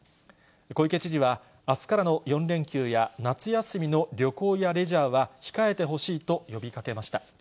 小池知事は、あすからの４連休や、夏休みの旅行やレジャーは控えてほしいと呼びかけました。